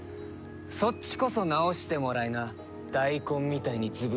そっちこそ直してもらいな大根みたいに図太いその性格。